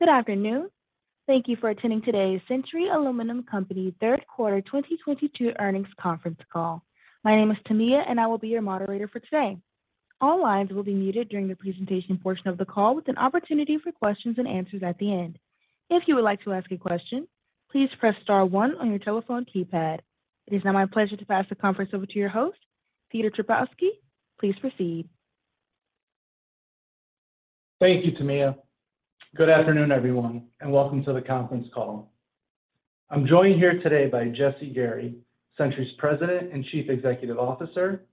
Good afternoon. Thank you for attending today's Century Aluminum Company Q3 2022 earnings conference call. My name is Tamia, and I will be your moderator for today. All lines will be muted during the presentation portion of the call with an opportunity for questions and answers at the end. If you would like to ask a question, please press star one on your telephone keypad. It is now my pleasure to pass the conference over to your host, Peter Trpkovski. Please proceed. Thank you, Tamia. Good afternoon, everyone, and welcome to the conference call. I'm joined here today by Jesse Gary, Century's President and Chief Executive Officer,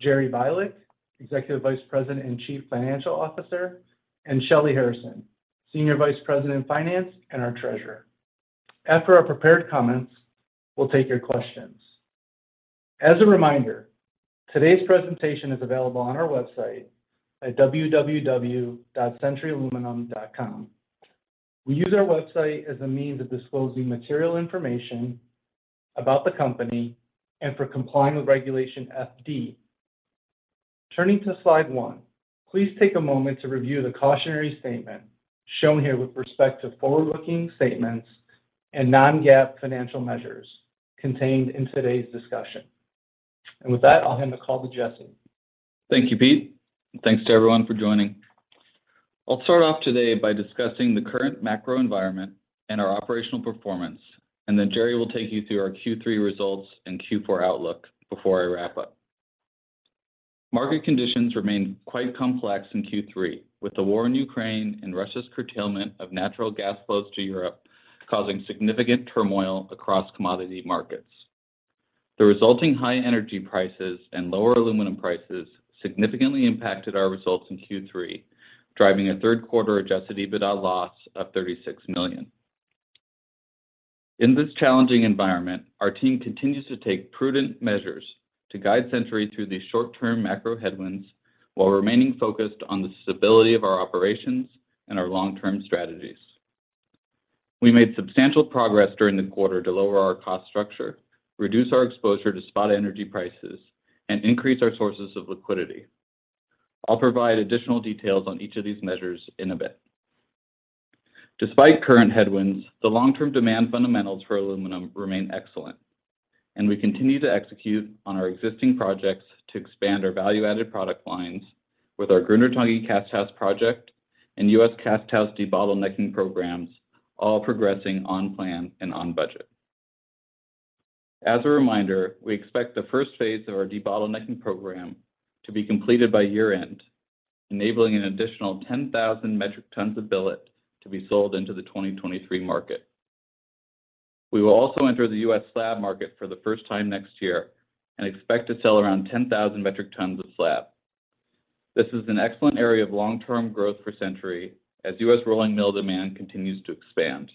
Jerry Bialek, Executive Vice President and Chief Financial Officer, and Shelly Harrison, Senior Vice President of Finance and our Treasurer. After our prepared comments, we'll take your questions. As a reminder, today's presentation is available on our website at www.centuryaluminum.com. We use our website as a means of disclosing material information about the company and for complying with Regulation FD. Turning to slide one, please take a moment to review the cautionary statement shown here with respect to forward-looking statements and non-GAAP financial measures contained in today's discussion. With that, I'll hand the call to Jesse. Thank you, Pete. Thanks to everyone for joining. I'll start off today by discussing the current macro environment and our operational performance, and then Jerry will take you through our Q3 results and Q4 outlook before I wrap up. Market conditions remained quite complex in Q3, with the war in Ukraine and Russia's curtailment of natural gas flows to Europe causing significant turmoil across commodity markets. The resulting high energy prices and lower aluminum prices significantly impacted our results in Q3, driving a Q3 adjusted EBITDA loss of $36 million. In this challenging environment, our team continues to take prudent measures to guide century through these short-term macro headwinds while remaining focused on the stability of our operations and our long-term strategies. We made substantial progress during the quarter to lower our cost structure, reduce our exposure to spot energy prices, and increase our sources of liquidity. I'll provide additional details on each of these measures in a bit. Despite current headwinds, the long-term demand fundamentals for aluminum remain excellent, and we continue to execute on our existing projects to expand our value-added product lines with our Grundartangi cast house project and U.S. cast house debottlenecking programs all progressing on plan and on budget. As a reminder, we expect the first phase of our debottlenecking program to be completed by year-end, enabling an additional 10,000 metric tons of billet to be sold into the 2023 market. We will also enter the U.S. slab market for the first time next year and expect to sell around 10,000 metric tons of slab. This is an excellent area of long-term growth for century as U.S. rolling mill demand continues to expand.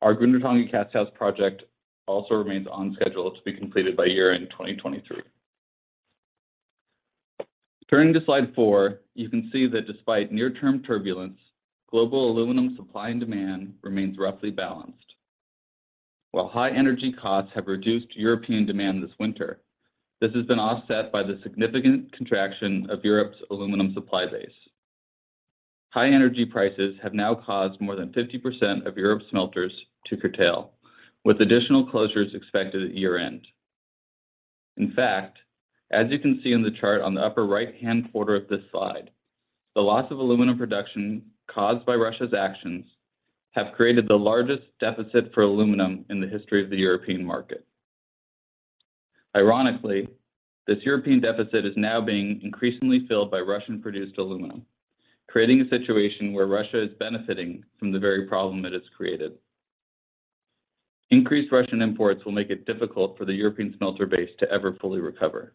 Our Grundartangi cast house project also remains on schedule to be completed by year-end 2023. Turning to slide four, you can see that despite near-term turbulence, global aluminum supply and demand remains roughly balanced. While high energy costs have reduced European demand this winter, this has been offset by the significant contraction of Europe's aluminum supply base. High energy prices have now caused more than 50% of Europe's smelters to curtail, with additional closures expected at year-end. In fact, as you can see in the chart on the upper right-hand quarter of this slide, the loss of aluminum production caused by Russia's actions have created the largest deficit for aluminum in the history of the European market. Ironically, this European deficit is now being increasingly filled by Russian-produced aluminum, creating a situation where Russia is benefiting from the very problem that it's created. Increased Russian imports will make it difficult for the European smelter base to ever fully recover.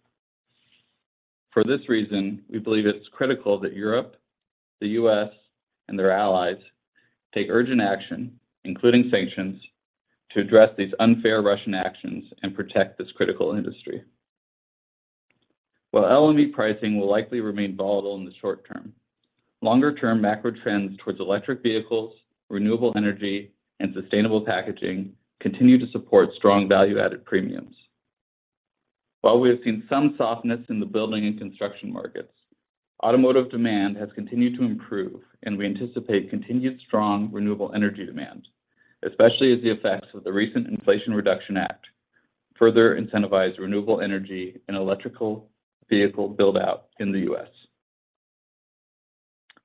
For this reason, we believe it's critical that Europe, the U.S., and their allies take urgent action, including sanctions, to address these unfair Russian actions and protect this critical industry. While LME pricing will likely remain volatile in the short term, longer-term macro trends towards electric vehicles, renewable energy, and sustainable packaging continue to support strong value-added premiums. While we have seen some softness in the building and construction markets, automotive demand has continued to improve, and we anticipate continued strong renewable energy demand, especially as the effects of the recent Inflation Reduction Act further incentivize renewable energy and electrical vehicle build-out in the U.S.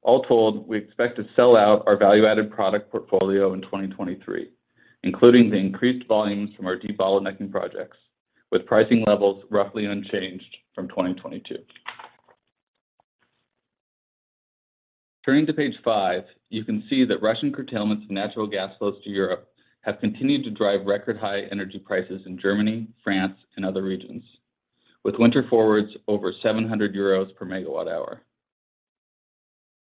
All told, we expect to sell out our value-added product portfolio in 2023, including the increased volumes from our debottlenecking projects, with pricing levels roughly unchanged from 2022. Turning to page five, you can see that Russian curtailments of natural gas flows to Europe have continued to drive record high energy prices in Germany, France, and other regions, with winter forwards over 700 euros perMWh.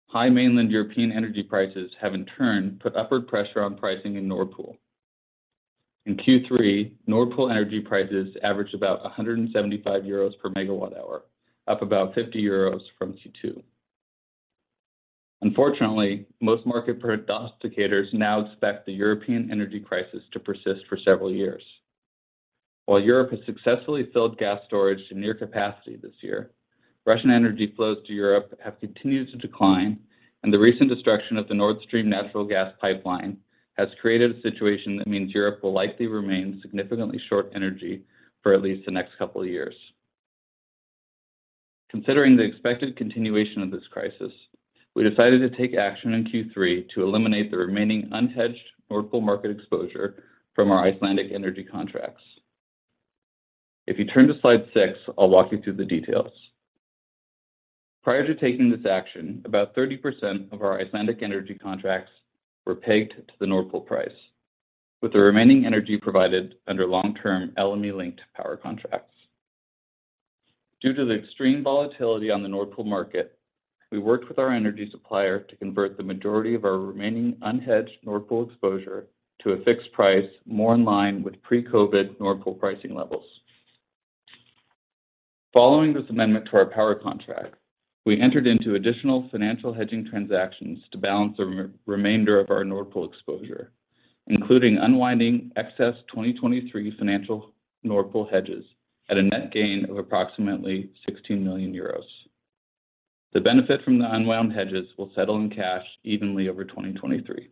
High mainland European energy prices have in turn put upward pressure on pricing in Nord Pool. In Q3, Nord Pool energy prices averaged about 175 euros perMWh, up about 50 euros from Q2. Unfortunately, most market prognosticators now expect the European energy crisis to persist for several years. While Europe has successfully filled gas storage to near capacity this year, Russian energy flows to Europe have continued to decline, and the recent destruction of the Nord Stream natural gas pipeline has created a situation that means Europe will likely remain significantly short energy for at least the next couple of years. Considering the expected continuation of this crisis, we decided to take action in Q3 to eliminate the remaining unhedged Nord Pool market exposure from our Icelandic energy contracts. If you turn to slide six, I'll walk you through the details. Prior to taking this action, about 30% of our Icelandic energy contracts were pegged to the Nord Pool price, with the remaining energy provided under long-term LME-linked power contracts. Due to the extreme volatility on the Nord Pool market, we worked with our energy supplier to convert the majority of our remaining unhedged Nord Pool exposure to a fixed price more in line with pre-COVID Nord Pool pricing levels. Following this amendment to our power contract, we entered into additional financial hedging transactions to balance the remainder of our Nord Pool exposure, including unwinding excess 2023 financial Nord Pool hedges at a net gain of approximately 16 million euros. The benefit from the unwound hedges will settle in cash evenly over 2023.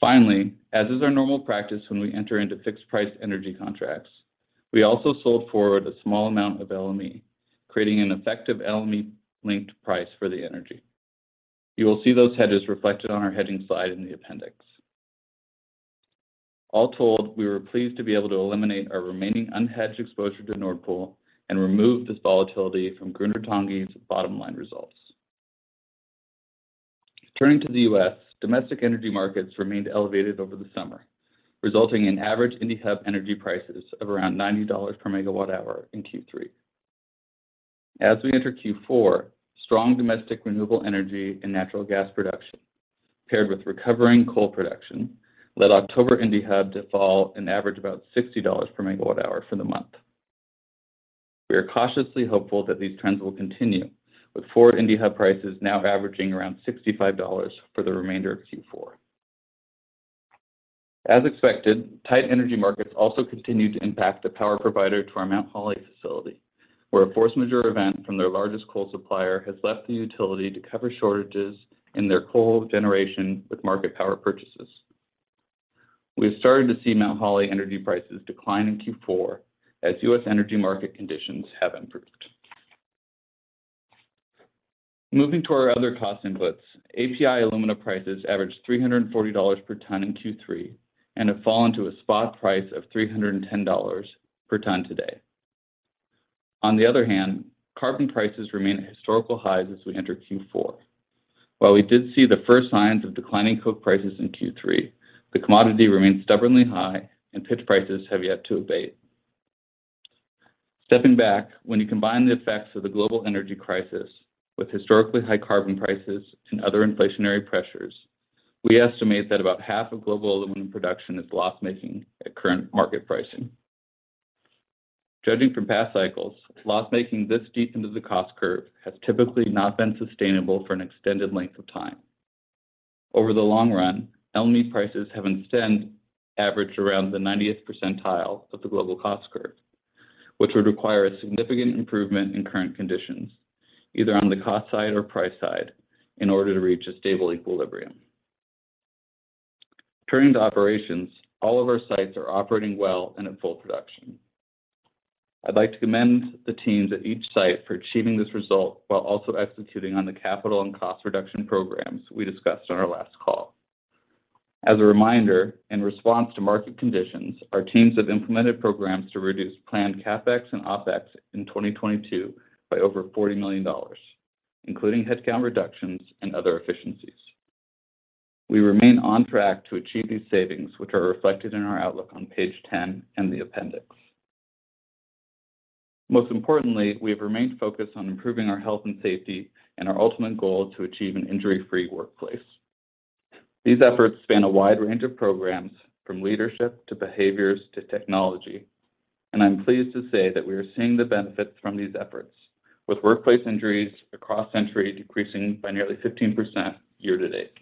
Finally, as is our normal practice when we enter into fixed price energy contracts, we also sold forward a small amount of LME, creating an effective LME-linked price for the energy. You will see those hedges reflected on our hedging slide in the appendix. All told, we were pleased to be able to eliminate our remaining unhedged exposure to Nord Pool and remove this volatility from Grundartangi's bottom line results. Turning to the U.S., domestic energy markets remained elevated over the summer, resulting in average Indiana Hub energy prices of around $90 per MWh in Q3. As we enter Q4, strong domestic renewable energy and natural gas production, paired with recovering coal production, led October Indiana Hub to fall and average about $60 per MWh for the month. We are cautiously hopeful that these trends will continue, with forward Indiana Hub prices now averaging around $65 for the remainder of Q4. As expected, tight energy markets also continued to impact the power provider to our Mount Holly facility, where a force majeure event from their largest coal supplier has left the utility to cover shortages in their coal generation with market power purchases. We have started to see Mount Holly energy prices decline in Q4 as U.S. energy market conditions have improved. Moving to our other cost inputs, API alumina prices averaged $340 per ton in Q3 and have fallen to a spot price of $310 per ton today. On the other hand, carbon prices remain at historical highs as we enter Q4. While we did see the first signs of declining coke prices in Q3, the commodity remains stubbornly high, and pitch prices have yet to abate. Stepping back, when you combine the effects of the global energy crisis with historically high carbon prices and other inflationary pressures, we estimate that about half of global aluminum production is loss-making at current market pricing. Judging from past cycles, loss-making this deep into the cost curve has typically not been sustainable for an extended length of time. Over the long run, LME prices have instead averaged around the 90th percentile of the global cost curve, which would require a significant improvement in current conditions, either on the cost side or price side, in order to reach a stable equilibrium. Turning to operations, all of our sites are operating well and at full production. I'd like to commend the teams at each site for achieving this result while also executing on the capital and cost reduction programs we discussed on our last call. As a reminder, in response to market conditions, our teams have implemented programs to reduce planned CapEx and OpEx in 2022 by over $40 million, including headcount reductions and other efficiencies. We remain on track to achieve these savings, which are reflected in our outlook on page 10 and the appendix. Most importantly, we have remained focused on improving our health and safety and our ultimate goal to achieve an injury-free workplace. These efforts span a wide range of programs, from leadership to behaviors to technology, and I'm pleased to say that we are seeing the benefits from these efforts, with workplace injuries across the enterprise decreasing by nearly 15% year to date.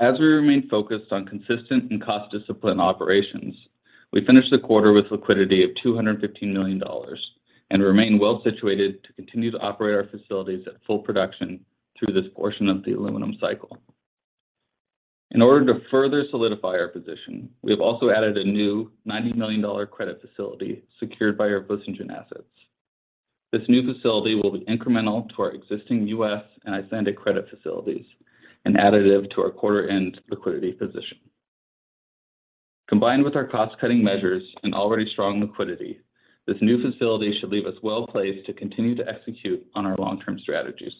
We remain focused on consistent and cost-disciplined operations. We finished the quarter with liquidity of $215 million and remain well-situated to continue to operate our facilities at full production through this portion of the aluminum cycle. In order to further solidify our position, we have also added a new $90 million credit facility secured by our voestalpine assets. This new facility will be incremental to our existing U.S. and Icelandic credit facilities and additive to our quarter-end liquidity position. Combined with our cost-cutting measures and already strong liquidity, this new facility should leave us well-placed to continue to execute on our long-term strategies.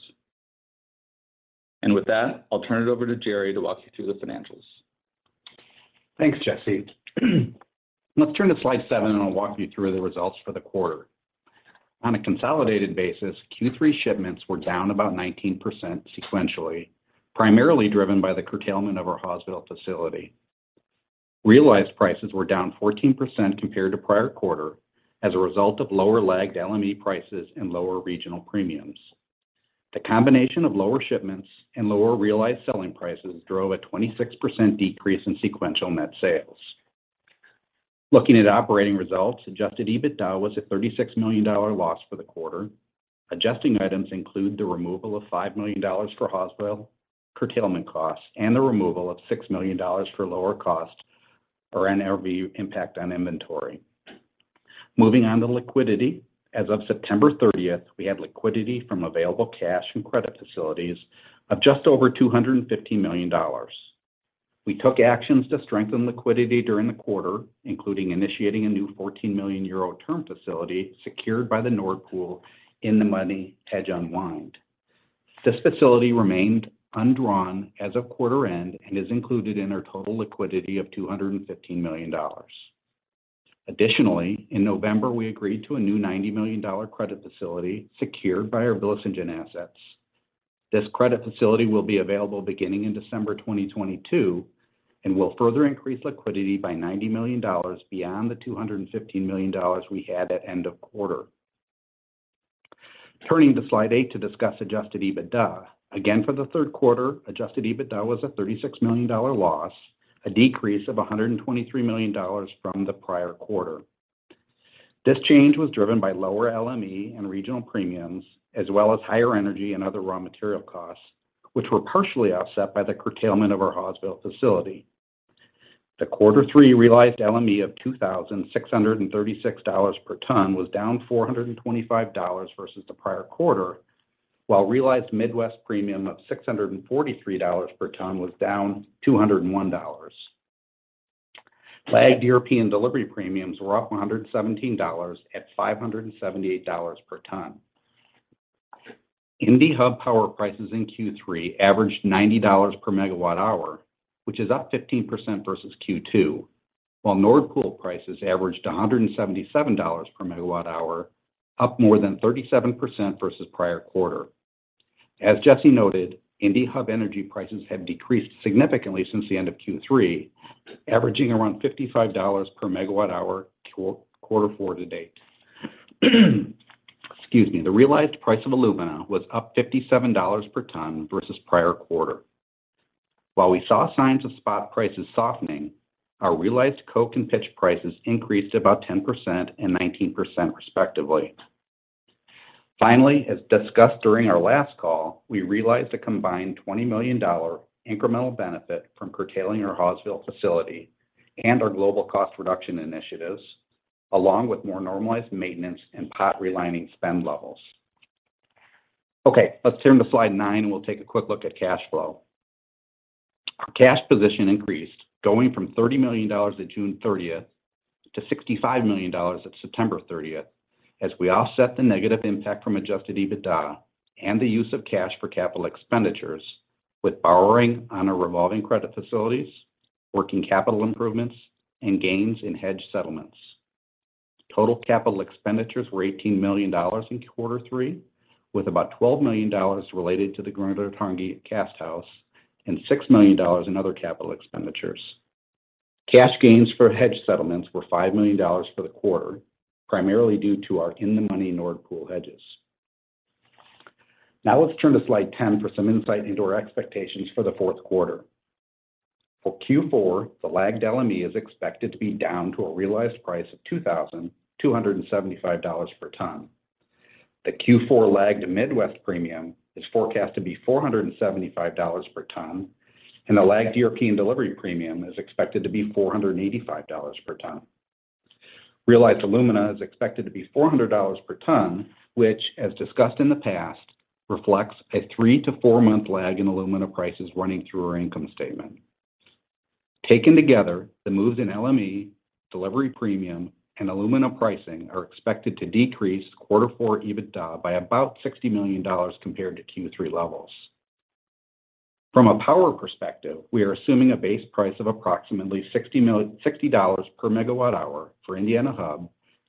With that, I'll turn it over to Jerry to walk you through the financials. Thanks, Jesse. Let's turn to slide seven, and I'll walk you through the results for the quarter. On a consolidated basis, Q3 shipments were down about 19% sequentially, primarily driven by the curtailment of our Hawesville facility. Realized prices were down 14% compared to prior quarter as a result of lower lagged LME prices and lower regional premiums. The combination of lower shipments and lower realized selling prices drove a 26% decrease in sequential net sales. Looking at operating results, adjusted EBITDA was a $36 million loss for the quarter. Adjusting items include the removal of $5 million for Hawesville curtailment costs and the removal of $6 million for lower costs or NRV impact on inventory. Moving on to liquidity. As of September thirtieth, we had liquidity from available cash and credit facilities of just over $250 million. We took actions to strengthen liquidity during the quarter, including initiating a new 14 million euro term facility secured by the Nord Pool in-the-money hedge unwind. This facility remained undrawn as of quarter end and is included in our total liquidity of $250 million. Additionally, in November, we agreed to a new $90 million credit facility secured by our Vlissingen assets. This credit facility will be available beginning in December 2022 and will further increase liquidity by $90 million beyond the $250 million we had at end of quarter. Turning to slide eight to discuss adjusted EBITDA. Again, for the Q3, adjusted EBITDA was a $36 million loss, a decrease of $123 million from the prior quarter. This change was driven by lower LME and regional premiums, as well as higher energy and other raw material costs, which were partially offset by the curtailment of our Hawesville facility. The quarter three realized LME of $2,636 per ton was down $425 versus the prior quarter, while realized Midwest premium of $643 per ton was down $201. Lagged European delivery premiums were up $117 at $578 per ton. Indiana Hub power prices in Q3 averaged $90 per MWh, which is up 15% versus Q2, while Nord Pool prices averaged $177 per MWh, up more than 37% versus prior quarter. As Jesse noted, Indiana Hub energy prices have decreased significantly since the end of Q3, averaging around $55 per MWh Q4 to date. Excuse me. The realized price of alumina was up $57 per ton versus prior quarter. While we saw signs of spot prices softening, our realized coke and pitch prices increased about 10% and 19% respectively. Finally, as discussed during our last call, we realized a combined $20 million incremental benefit from curtailing our Hawesville facility and our global cost reduction initiatives, along with more normalized maintenance and pot relining spend levels. Okay, let's turn to slide nine and we'll take a quick look at cash flow. Our cash position increased, going from $30 million at June 30 to $65 million at September 30 as we offset the negative impact from adjusted EBITDA and the use of cash for capital expenditures with borrowing on our revolving credit facilities, working capital improvements, and gains in hedge settlements. Total capital expenditures were $18 million in Q3, with about $12 million related to the Grundartangi cast house and $6 million in other capital expenditures. Cash gains for hedge settlements were $5 million for the quarter, primarily due to our in the money Nord Pool hedges. Now let's turn to slide 10 for some insight into our expectations for the Q4. For Q4, the lagged LME is expected to be down to a realized price of $2,275 per ton. The Q4 lagged Midwest premium is forecast to be $475 per ton, and the lagged European delivery premium is expected to be $485 per ton. Realized Alumina is expected to be $400 per ton, which, as discussed in the past, reflects a three to four month lag in aluminum prices running through our income statement. Taken together, the moves in LME, delivery premium, and Alumina pricing are expected to decrease Q4 EBITDA by about $60 million compared to Q3 levels. From a power perspective, we are assuming a base price of approximately $60 per MWh for Indiana Hub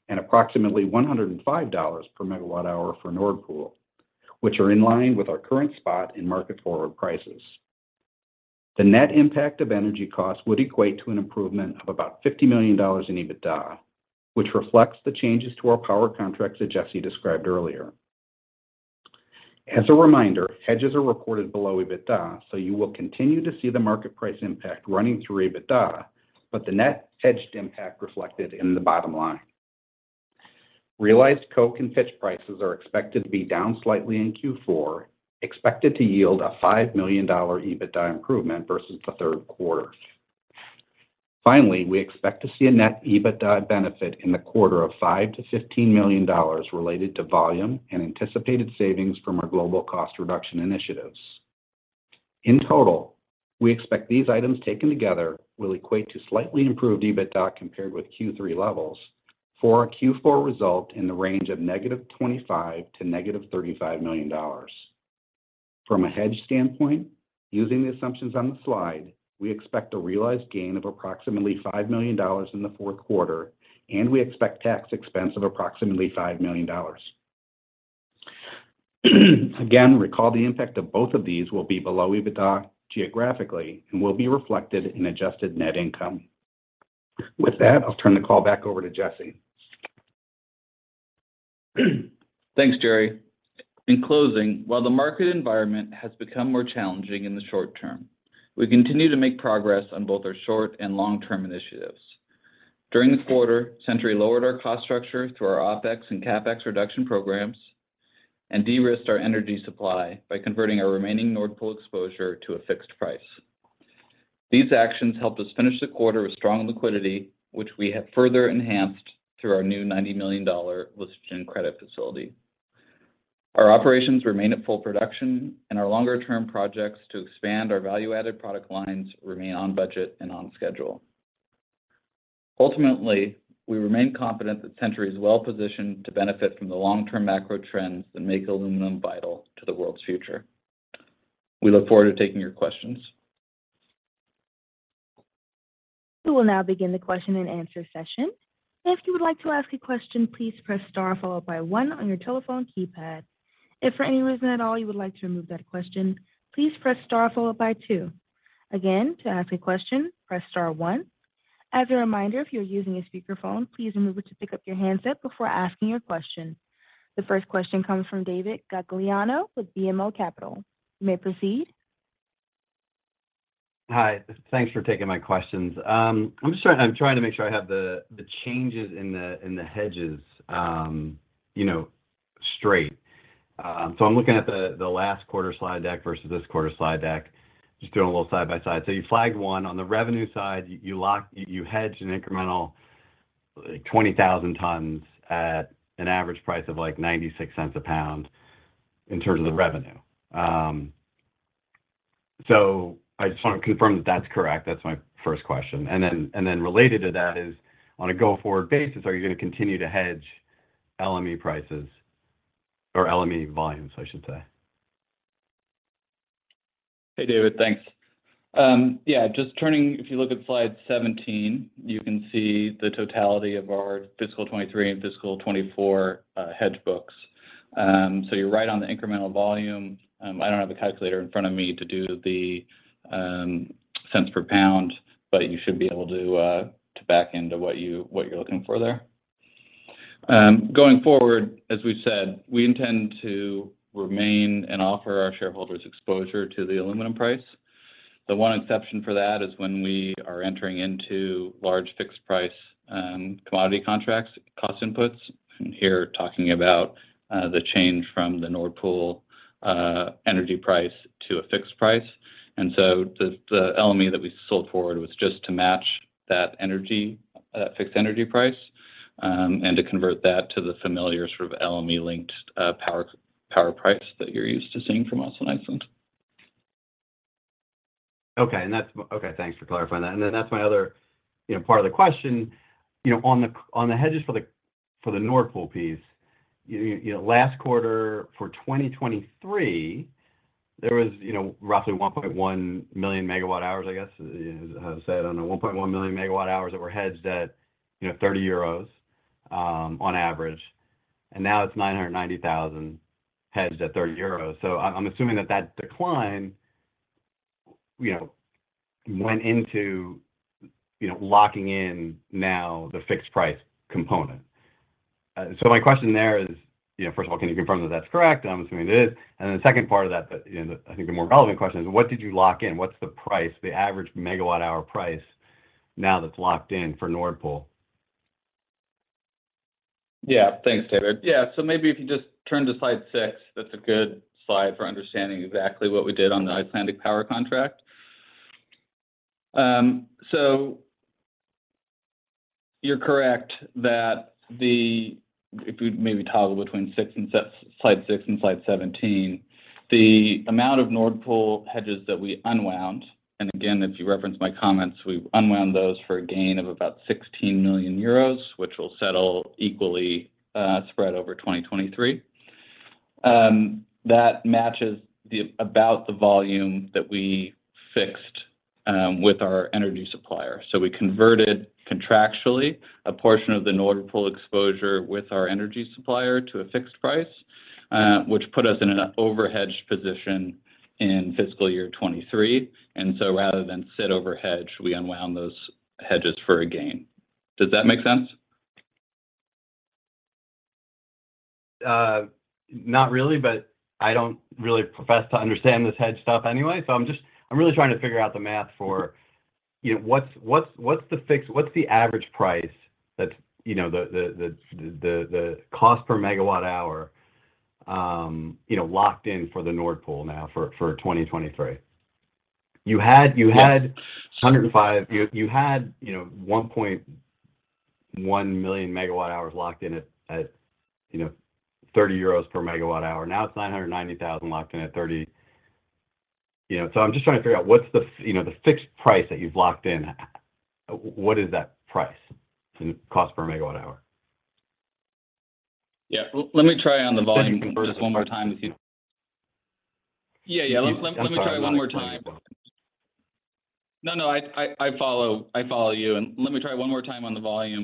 and approximately $105 per MWh for Nord Pool, which are in line with our current spot and market forward prices. The net impact of energy costs would equate to an improvement of about $50 million in EBITDA, which reflects the changes to our power contracts that Jesse described earlier. As a reminder, hedges are recorded below EBITDA, so you will continue to see the market price impact running through EBITDA, but the net hedged impact reflected in the bottom line. Realized coke and pitch prices are expected to be down slightly in Q4, expected to yield a $5 million EBITDA improvement versus the Q3. Finally, we expect to see a net EBITDA benefit in the quarter of $5-$15 million related to volume and anticipated savings from our global cost reduction initiatives. In total, we expect these items taken together will equate to slightly improved EBITDA compared with Q3 levels for a Q4 result in the range of -$25 million to -$35 million. From a hedge standpoint, using the assumptions on the slide, we expect a realized gain of approximately $5 million in the Q4, and we expect tax expense of approximately $5 million. Again, recall the impact of both of these will be below EBITDA geographically and will be reflected in adjusted net income. With that, I'll turn the call back over to Jesse. Thanks, Jerry. In closing, while the market environment has become more challenging in the short term, we continue to make progress on both our short and long-term initiatives. During the quarter, Century lowered our cost structure through our OpEx and CapEx reduction programs, and de-risked our energy supply by converting our remaining Nord Pool exposure to a fixed price. These actions helped us finish the quarter with strong liquidity, which we have further enhanced through our new $90 million revolving credit facility. Our operations remain at full production, and our longer term projects to expand our value-added product lines remain on budget and on schedule. Ultimately, we remain confident that Century is well-positioned to benefit from the long-term macro trends that make aluminum vital to the world's future. We look forward to taking your questions. We will now begin the question and answer session. If you would like to ask a question, please press star followed by one on your telephone keypad. If for any reason at all you would like to remove that question, please press star followed by two. Again, to ask a question, press star one. As a reminder, if you're using a speakerphone, please remember to pick up your handset before asking your question. The first question comes from David Gagliano with BMO Capital Markets. You may proceed. Hi. Thanks for taking my questions. I'm just trying to make sure I have the changes in the hedges, you know, straight. I'm looking at the last quarter slide deck versus this quarter slide deck, just doing a little side by side. You flagged one on the revenue side, you hedged an incremental, like, 20,000 tons at an average price of, like, $0.96 a pound in terms of revenue. I just want to confirm that that's correct. That's my first question. Related to that is, on a go-forward basis, are you gonna continue to hedge LME prices or LME volumes, I should say? Hey, David. Thanks. If you look at slide 17, you can see the totality of our fiscal 2023 and fiscal 2024 hedge books. So you're right on the incremental volume. I don't have the calculator in front of me to do the cents per pound, but you should be able to back into what you're looking for there. Going forward, as we've said, we intend to remain and offer our shareholders exposure to the aluminum price. The one exception for that is when we are entering into large fixed price commodity contracts, cost inputs. Here talking about the change from the Nord Pool energy price to a fixed price. The LME that we sold forward was just to match that energy fixed energy price, and to convert that to the familiar sort of LME-linked power price that you're used to seeing from us on Iceland. Okay, thanks for clarifying that. That's my other, you know, part of the question. You know, on the hedges for the Nord Pool piece, you know, last quarter for 2023, there was, you know, roughly 1.1 million MWh that were hedged at 30 euros on average, and now it's 990,000 hedged at 30 euros. I'm assuming that decline went into locking in the fixed price component. My question there is, you know, first of all, can you confirm that that's correct? I'm assuming it is. The second part of that, but you know, the, I think the more relevant question is, what did you lock in? What's the price, the average megawatt-hour price now that's locked in for Nord Pool? Yeah. Thanks, David. Yeah, maybe if you just turn to slide six, that's a good slide for understanding exactly what we did on the Icelandic power contract. You're correct that. If you'd maybe toggle between six and slide 17, the amount of Nord Pool hedges that we unwound, and again, if you reference my comments, we've unwound those for a gain of about 16 million euros, which will settle equally, spread over 2023. That matches about the volume that we fixed with our energy supplier. We converted contractually a portion of the Nord Pool exposure with our energy supplier to a fixed price, which put us in an overhedged position in fiscal year 2023, and so rather than sit overhedge, we unwound those hedges for a gain. Does that make sense? Not really, I don't really profess to understand this hedge stuff anyway, so I'm just really trying to figure out the math for, you know, what's the average price that, you know, the cost per MWh locked in for the Nord Pool now for 2023. You had 1.1 million MWh locked in at, you know, 30 euros per MWh. Now it's 990,000 locked in at 30. You know, I'm just trying to figure out what's the fixed price that you've locked in. What is that price in cost per MWh? Let me try one more time on the volume,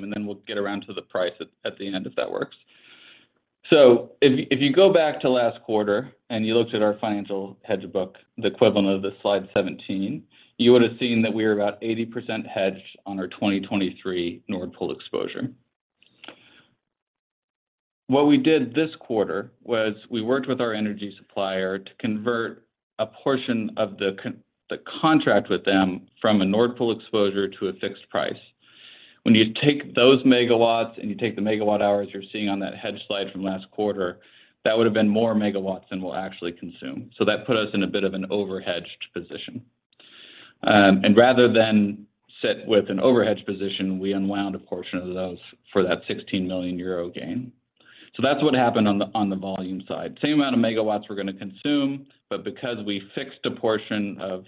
and then we'll get around to the price at the end if that works. If you go back to last quarter and you looked at our financial hedge book, the equivalent of the slide 17, you would have seen that we were about 80% hedged on our 2023 Nord Pool exposure. What we did this quarter was we worked with our energy supplier to convert a portion of the contract with them from a Nord Pool exposure to a fixed price. When you take those megawatts and you take the MWhs you're seeing on that hedge slide from last quarter, that would have been more megawatts than we'll actually consume. That put us in a bit of an over-hedged position. Rather than sit with an over-hedged position, we unwound a portion of those for that 16 million euro gain. That's what happened on the volume side. Same amount of megawatts we're gonna consume, but because we fixed a portion of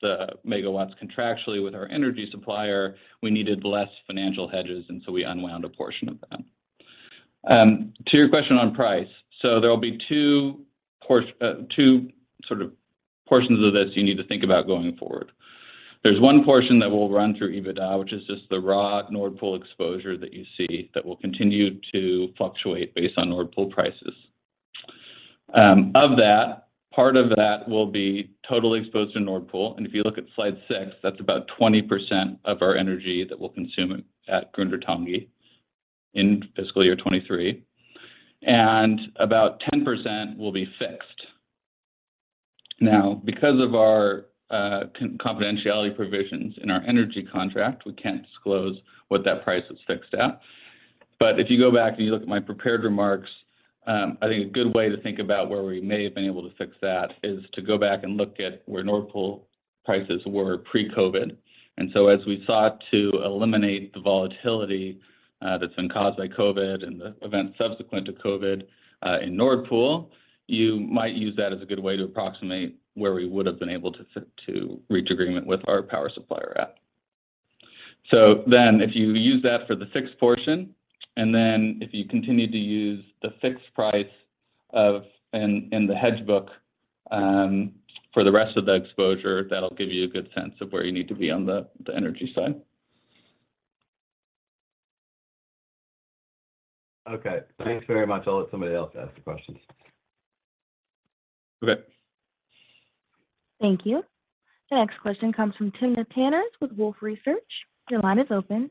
the megawatts contractually with our energy supplier, we needed less financial hedges, and so we unwound a portion of them. To your question on price. There will be two sort of portions of this you need to think about going forward. There's one portion that will run through EBITDA, which is just the raw Nord Pool exposure that you see that will continue to fluctuate based on Nord Pool prices. Of that, part of that will be totally exposed to Nord Pool. If you look at slide six, that's about 20% of our energy that we'll consume at Grundartangi in fiscal year 2023, and about 10% will be fixed. Now, because of our confidentiality provisions in our energy contract, we can't disclose what that price is fixed at. If you go back and you look at my prepared remarks, I think a good way to think about where we may have been able to fix that is to go back and look at where Nord Pool prices were pre-COVID. As we sought to eliminate the volatility that's been caused by COVID and the events subsequent to COVID in Nord Pool, you might use that as a good way to approximate where we would have been able to to reach agreement with our power supplier at. If you use that for the fixed portion, and then if you continue to use the fixed price of in the hedge book for the rest of the exposure, that'll give you a good sense of where you need to be on the energy side. Okay. Thanks very much. I'll let somebody else ask the questions. Okay. Thank you. The next question comes from Timna Tanners with Wolfe Research. Your line is open.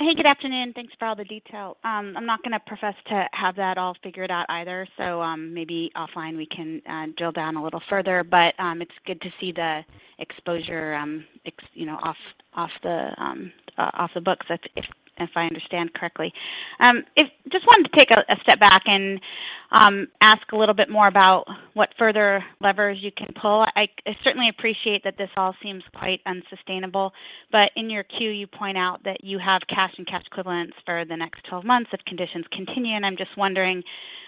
Hey, good afternoon. Thanks for all the detail. I'm not gonna profess to have that all figured out either, so maybe offline we can drill down a little further. It's good to see the exposure, you know, off the books if I understand correctly. Just wanted to take a step back and ask a little bit more about what further levers you can pull. I certainly appreciate that this all seems quite unsustainable, but in your Q, you point out that you have cash and cash equivalents for the next 12 months if conditions continue. I'm just wondering,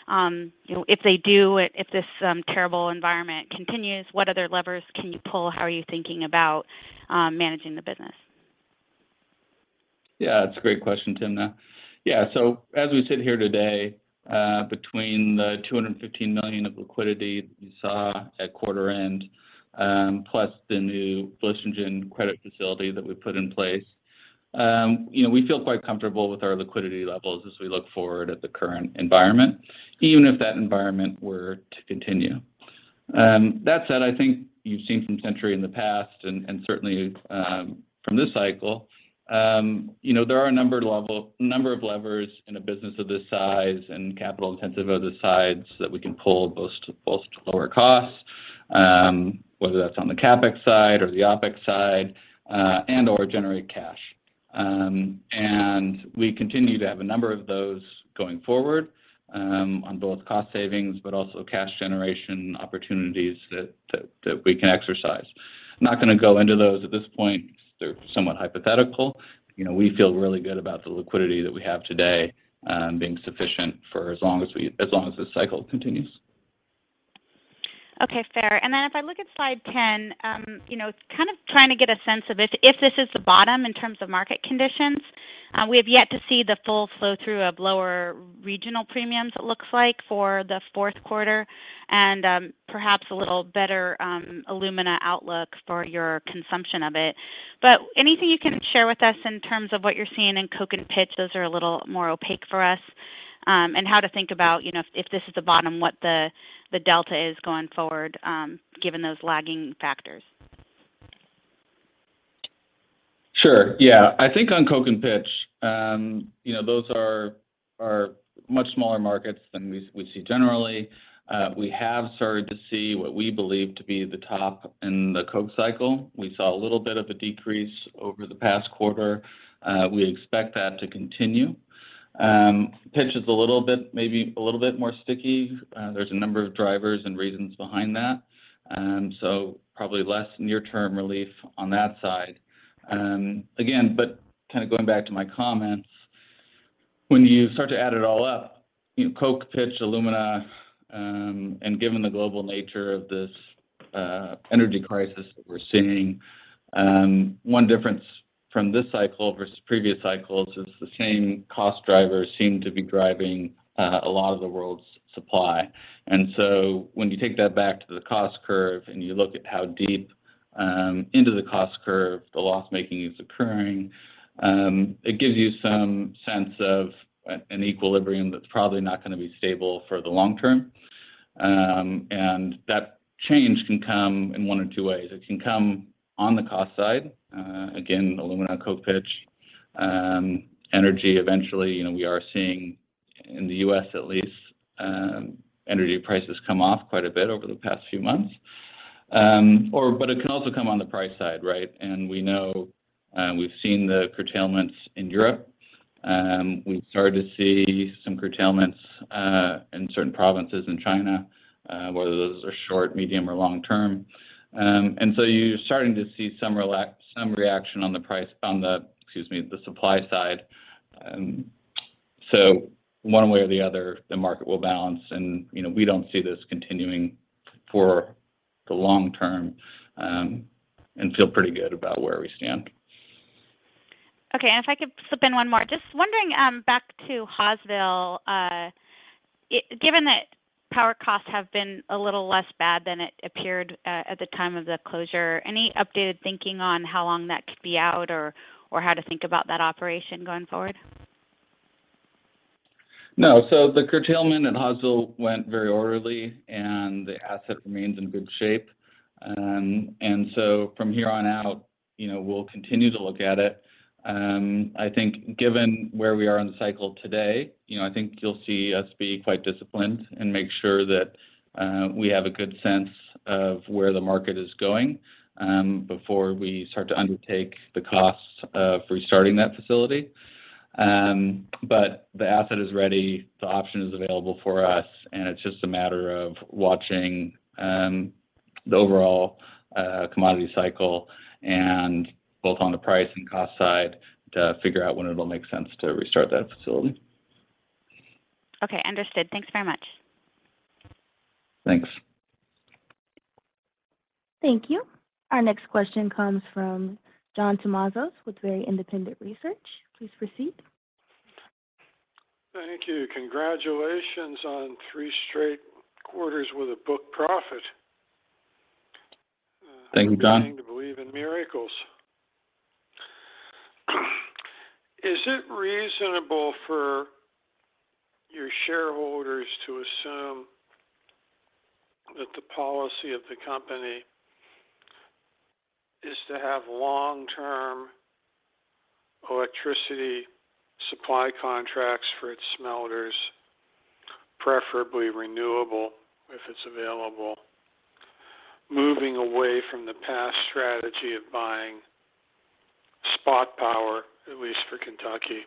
you know, if they do, if this terrible environment continues, what other levers can you pull? How are you thinking about managing the business? Yeah, that's a great question, Timna. Yeah. As we sit here today, between the $215 million of liquidity you saw at quarter end, plus the new Vlissingen credit facility that we put in place, you know, we feel quite comfortable with our liquidity levels as we look forward at the current environment, even if that environment were to continue. That said, I think you've seen from century in the past and certainly, from this cycle, you know, there are a number of levers in a business of this size and capital intensive of this size that we can pull both to lower costs, whether that's on the CapEx side or the OpEx side, and/or generate cash. We continue to have a number of those going forward, on both cost savings, but also cash generation opportunities that we can exercise. I'm not gonna go into those at this point. They're somewhat hypothetical. You know, we feel really good about the liquidity that we have today, being sufficient for as long as this cycle continues. Okay. Fair. If I look at slide 10, you know, it's kind of trying to get a sense of if this is the bottom in terms of market conditions. We have yet to see the full flow through of lower regional premiums, it looks like, for the Q4 and, perhaps a little better, alumina outlook for your consumption of it. Anything you can share with us in terms of what you're seeing in coke and pitch? Those are a little more opaque for us. How to think about, you know, if this is the bottom, what the delta is going forward, given those lagging factors. Sure. Yeah. I think on coke and pitch, you know, those are much smaller markets than we see generally. We have started to see what we believe to be the top in the coke cycle. We saw a little bit of a decrease over the past quarter. We expect that to continue. Pitch is a little bit, maybe a little bit more sticky. There's a number of drivers and reasons behind that. Probably less near term relief on that side. Again, but kinda going back to my comments, when you start to add it all up, you know, coke, pitch, alumina, and given the global nature of this energy crisis that we're seeing, one difference from this cycle versus previous cycles is the same cost drivers seem to be driving a lot of the world's supply. When you take that back to the cost curve and you look at how deep into the cost curve, the loss-making is occurring. It gives you some sense of an equilibrium that's probably not gonna be stable for the long term. That change can come in one of two ways. It can come on the cost side, again, alumina, coke pitch, energy eventually. You know, we are seeing in the U.S. at least, energy prices come off quite a bit over the past few months. Or but it can also come on the price side, right? We know, we've seen the curtailments in Europe. We've started to see some curtailments in certain provinces in China, whether those are short, medium, or long term. You're starting to see some reaction on the, excuse me, the supply side. One way or the other, the market will balance and, you know, we don't see this continuing for the long term, and feel pretty good about where we stand. Okay. If I could slip in one more. Just wondering, back to Hawesville. Given that power costs have been a little less bad than it appeared, at the time of the closure, any updated thinking on how long that could be out or how to think about that operation going forward? No. The curtailment at Hawesville went very orderly, and the asset remains in good shape. From here on out, you know, we'll continue to look at it. I think given where we are in the cycle today, you know, I think you'll see us be quite disciplined and make sure that we have a good sense of where the market is going before we start to undertake the costs of restarting that facility. The asset is ready, the option is available for us, and it's just a matter of watching the overall commodity cycle and both on the price and cost side to figure out when it'll make sense to restart that facility. Okay. Understood. Thanks very much. Thanks. Thank you. Our next question comes from John Tumazos with Very Independent Research. Please proceed. Thank you. Congratulations on three straight quarters with a book profit. Thank you, John. I'm beginning to believe in miracles. Is it reasonable for your shareholders to assume that the policy of the company is to have long-term electricity supply contracts for its smelters, preferably renewable, if it's available, moving away from the past strategy of buying spot power, at least for Kentucky,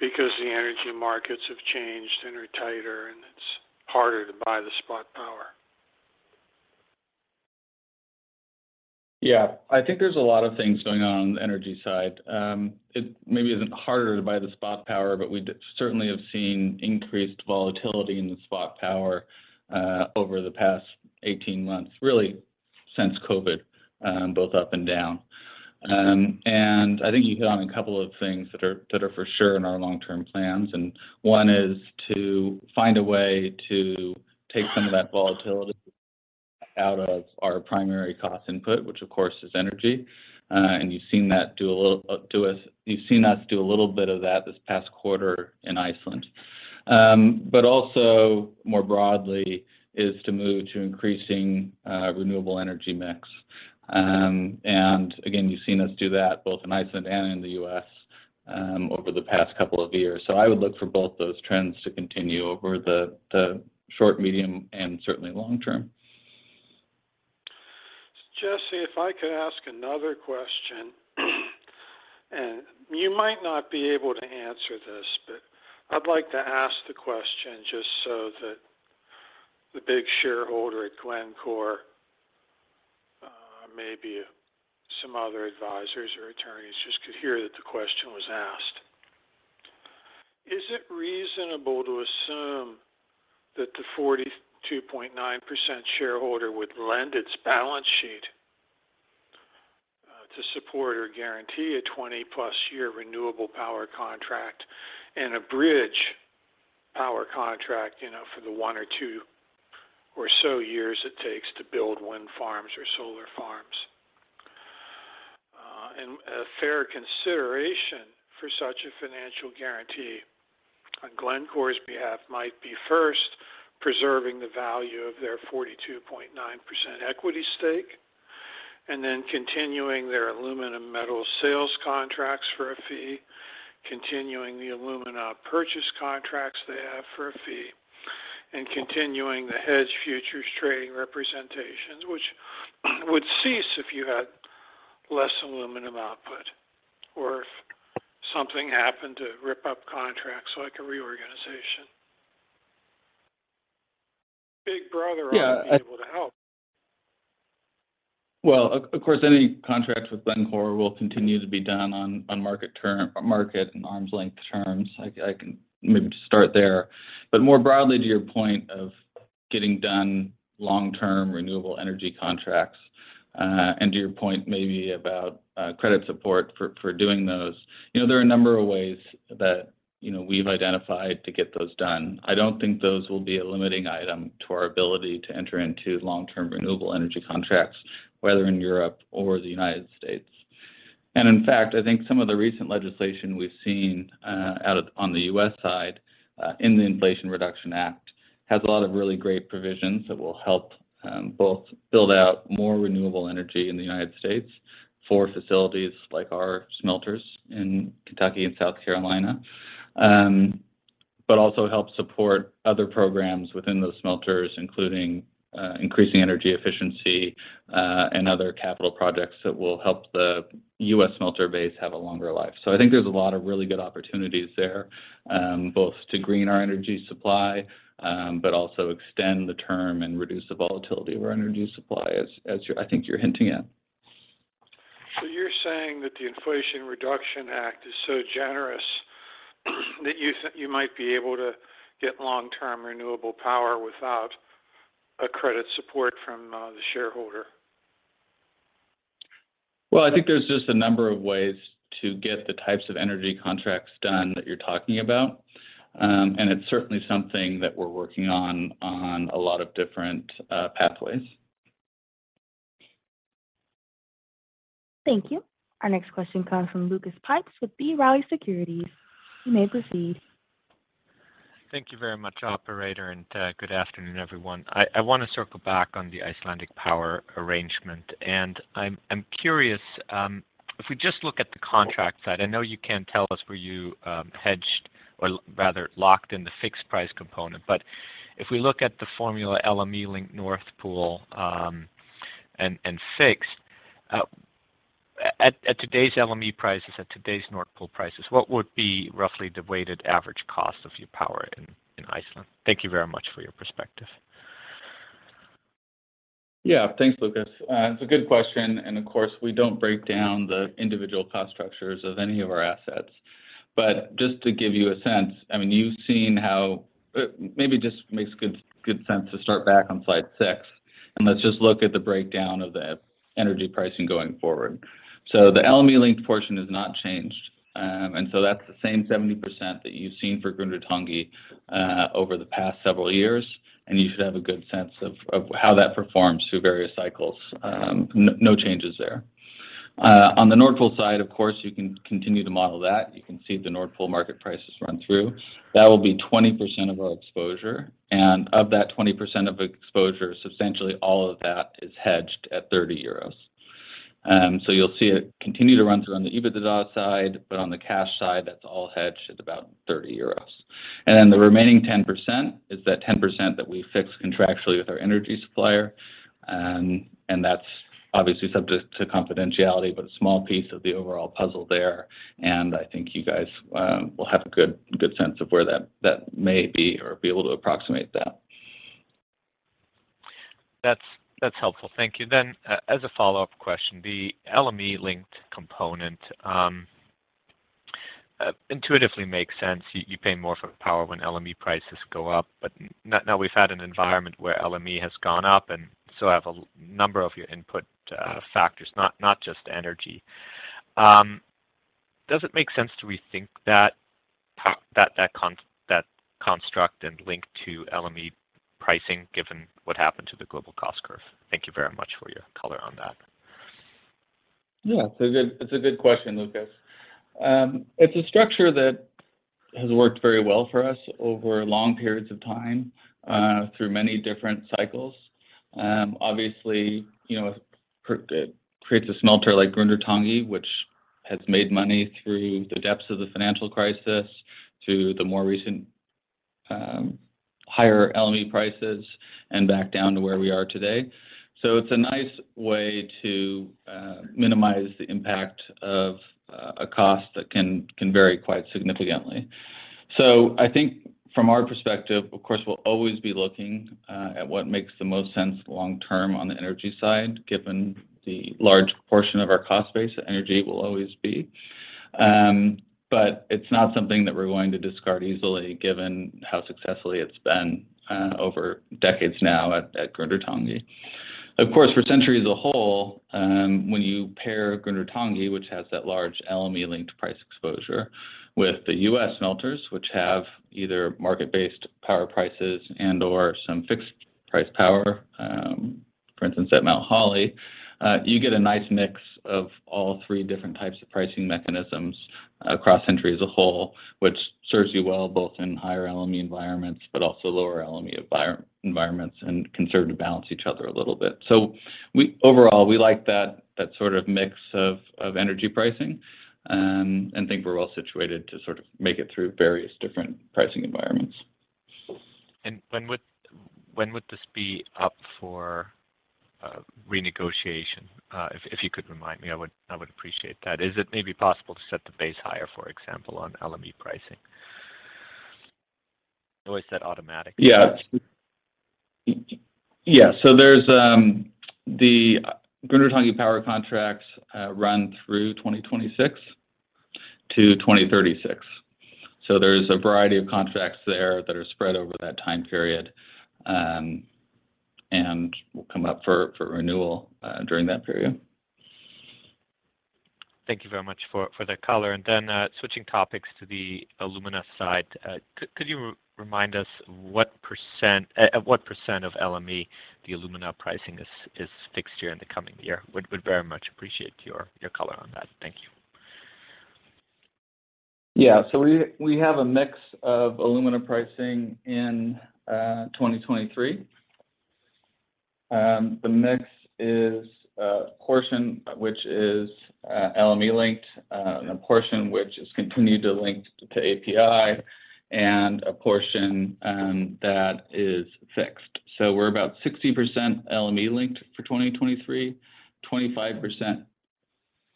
because the energy markets have changed and are tighter, and it's harder to buy the spot power? Yeah. I think there's a lot of things going on on the energy side. It maybe isn't harder to buy the spot power, but we certainly have seen increased volatility in the spot power over the past 18 months, really since COVID, both up and down. I think you hit on a couple of things that are for sure in our long-term plans, and one is to find a way to take some of that volatility out of our primary cost input, which of course is energy. You've seen us do a little bit of that this past quarter in Iceland. But also more broadly is to move to increasing renewable energy mix. Again, you've seen us do that both in Iceland and in the US over the past couple of years. I would look for both those trends to continue over the short, medium, and certainly long term. Jesse, if I could ask another question, and you might not be able to answer this, but I'd like to ask the question just so that the big shareholder at Glencore, maybe some other advisors or attorneys just could hear that the question was asked. Is it reasonable to assume that the 42.9% shareholder would lend its balance sheet to support or guarantee a 20+ year renewable power contract and a bridge power contract, you know, for the one or two or so years it takes to build wind farms or solar farms? A fair consideration for such a financial guarantee on Glencore's behalf might be first preserving the value of their 42.9% equity stake, and then continuing their aluminum metal sales contracts for a fee, continuing the alumina purchase contracts they have for a fee, and continuing the hedge futures trading representations, which would cease if you had less aluminum output or if something happened to rip up contracts like a reorganization. Yeah. Might be able to help. Well, of course, any contract with Glencore will continue to be done on market and arm's length terms. I can maybe just start there. More broadly to your point of getting done long-term renewable energy contracts, and to your point maybe about credit support for doing those, you know, there are a number of ways that, you know, we've identified to get those done. I don't think those will be a limiting item to our ability to enter into long-term renewable energy contracts, whether in Europe or the United States. In fact, I think some of the recent legislation we've seen, out of on the U.S. side in the Inflation Reduction Act has a lot of really great provisions that will help, both build out more renewable energy in the United States for facilities like our smelters in Kentucky and South Carolina, but also help support other programs within those smelters, including, increasing energy efficiency, and other capital projects that will help the U.S. smelter base have a longer life. I think there's a lot of really good opportunities there, both to green our energy supply, but also extend the term and reduce the volatility of our energy supply, as you're hinting at. You're saying that the Inflation Reduction Act is so generous that you think you might be able to get long-term renewable power without a credit support from, the shareholder? Well, I think there's just a number of ways to get the types of energy contracts done that you're talking about. It's certainly something that we're working on a lot of different pathways. Thank you. Our next question comes from Lucas Pipes with B. Riley Securities. You may proceed. Thank you very much, operator, and good afternoon, everyone. I wanna circle back on the Icelandic Power arrangement, and I'm curious, if we just look at the contract side, I know you can't tell us where you hedged or rather locked in the fixed price component. If we look at the formula LME-linked Nord Pool, and fixed, at today's LME prices, at today's Nord Pool prices, what would be roughly the weighted average cost of your power in Iceland? Thank you very much for your perspective. Thanks, Lucas. It's a good question, and of course, we don't break down the individual cost structures of any of our assets. Just to give you a sense, maybe just makes good sense to start back on slide six, and let's just look at the breakdown of the energy pricing going forward. The LME linked portion has not changed. That's the same 70% that you've seen for Grundartangi over the past several years, and you should have a good sense of how that performs through various cycles. No changes there. On the Nord Pool side, of course, you can continue to model that. You can see the Nord Pool market prices run through. That will be 20% of our exposure. Of that 20% of exposure, substantially all of that is hedged at 30 euros. So you'll see it continue to run through on the EBITDA side, but on the cash side, that's all hedged at about 30 euros. Then the remaining 10% is that 10% that we fix contractually with our energy supplier. That's obviously subject to confidentiality, but a small piece of the overall puzzle there. I think you guys will have a good sense of where that may be or be able to approximate that. That's helpful. Thank you. As a follow-up question, the LME linked component intuitively makes sense. You pay more for power when LME prices go up. Now we've had an environment where LME has gone up and so have a number of your input factors, not just energy. Does it make sense to rethink that construct and link to LME pricing given what happened to the global cost curve? Thank you very much for your color on that. Yeah. It's a good question, Lucas. It's a structure that has worked very well for us over long periods of time, through many different cycles. Obviously, you know, it creates a smelter like Grundartangi, which has made money through the depths of the financial crisis to the more recent higher LME prices and back down to where we are today. It's a nice way to minimize the impact of a cost that can vary quite significantly. I think from our perspective, of course, we'll always be looking at what makes the most sense long term on the energy side, given the large portion of our cost base energy will always be. It's not something that we're going to discard easily given how successfully it's been over decades now at Grundartangi. Of course, for century as a whole, when you pair Grundartangi, which has that large LME linked price exposure with the US smelters, which have either market-based power prices and/or some fixed price power, for instance, at Mount Holly, you get a nice mix of all three different types of pricing mechanisms across century as a whole, which serves you well both in higher LME environments, but also lower LME environments and can serve to balance each other a little bit. Overall, we like that sort of mix of energy pricing and think we're well situated to sort of make it through various different pricing environments. When would this be up for renegotiation? If you could remind me, I would appreciate that. Is it maybe possible to set the base higher, for example, on LME pricing? I know I said automatic. There's the Grundartangi power contracts run through 2026 to 2036. There's a variety of contracts there that are spread over that time period and will come up for renewal during that period. Thank you very much for the color. Then, switching topics to the Alumina side, could you remind us at what percent of LME the Alumina pricing is fixed here in the coming year? Would very much appreciate your color on that. Thank you. Yeah. We have a mix of alumina pricing in 2023. The mix is a portion which is LME linked, and a portion which continues to link to API, and a portion that is fixed. We're about 60% LME linked for 2023, 25%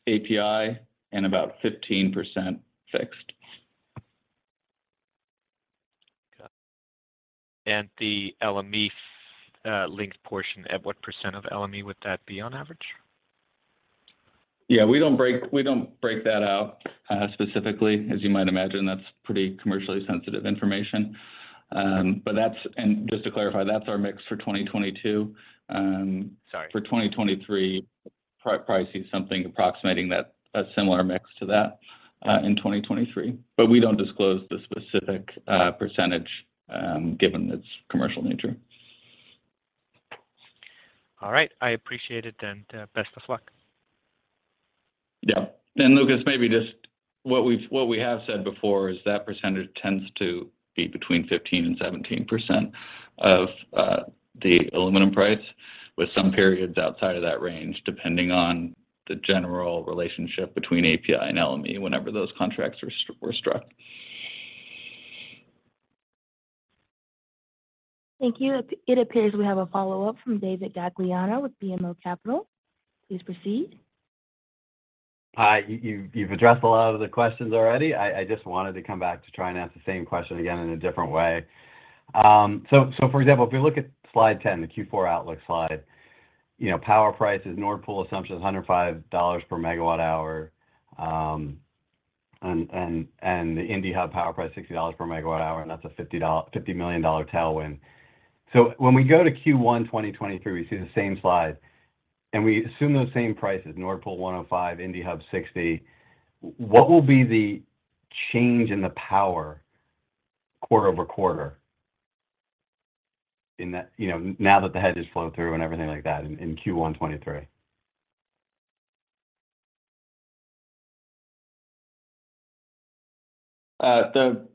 API, and about 15% fixed. Got it. The LME linked portion, at what % of LME would that be on average? Yeah. We don't break that out specifically. As you might imagine, that's pretty commercially sensitive information. Just to clarify, that's our mix for 2022. Sorry. For 2023, probably see something approximating that, a similar mix to that, in 2023. We don't disclose the specific percentage, given its commercial nature. All right. I appreciate it, and best of luck. Yeah. Lucas, maybe just what we have said before is that percentage tends to be between 15%-17% of the aluminum price, with some periods outside of that range, depending on the general relationship between API and LME whenever those contracts were struck. Thank you. It appears we have a follow-up from David Gagliano with BMO Capital Markets. Please proceed. Hi. You've addressed a lot of the questions already. I just wanted to come back to try and ask the same question again in a different way. For example, if we look at slide 10, the Q4 outlook slide, you know, power prices, Nord Pool assumption is $105 per MWh, and the Indiana Hub power price, $60 per MWh, and that's a $50 million tailwind. When we go to Q1 2023, we see the same slide, and we assume those same prices, Nord Pool 105, Indiana Hub 60. What will be the change in the power quarter-over-quarter in that, you know, now that the hedges flow through and everything like that in Q1 2023? The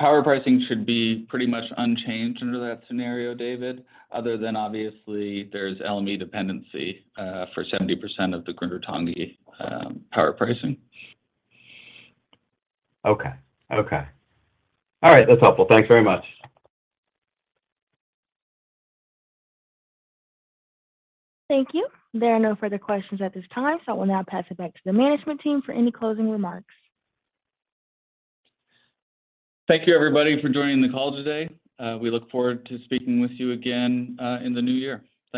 power pricing should be pretty much unchanged under that scenario, David. Other than obviously there's LME dependency for 70% of the Grundartangi power pricing. Okay. All right. That's helpful. Thanks very much. Thank you. There are no further questions at this time, so I will now pass it back to the management team for any closing remarks. Thank you, everybody, for joining the call today. We look forward to speaking with you again, in the new year.